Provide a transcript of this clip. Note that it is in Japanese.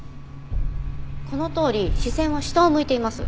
このとおり視線は下を向いています。